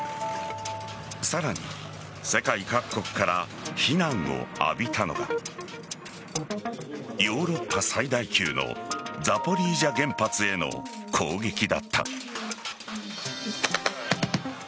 さらに世界各国から非難を浴びたのがヨーロッパ最大級のザポリージャ原発への攻撃だった。